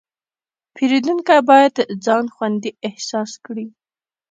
پیرودونکی باید ځان خوندي احساس کړي.